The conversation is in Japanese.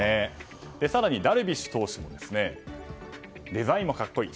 更にダルビッシュ投手もデザインも格好いい。